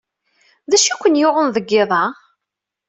D acu ay ken-yuɣen deg yiḍ-a?